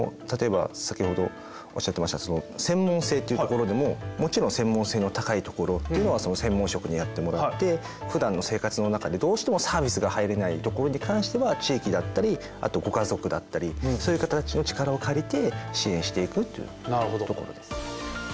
例えば先ほどおっしゃってましたその専門性っていうところでももちろん専門性の高いところっていうのはその専門職でやってもらってふだんの生活の中でどうしてもサービスが入れないところに関しては地域だったりあとご家族だったりそういう方たちの力を借りて支援していくっていうところです。